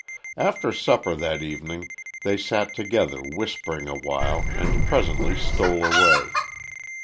After supper that evening they sat together whispering awhile and presently stole away.